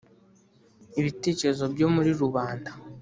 Ibitekerezo byo muri rubanda